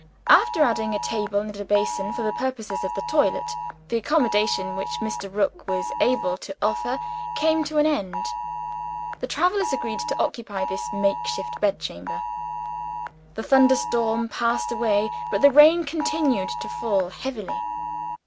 After adding a table and a basin, for the purposes of the toilet, the accommodation which Mr. Rook was able to offer came to an end. The travelers agreed to occupy this makeshift bed chamber. The thunderstorm passed away; but the rain continued to fall heavily.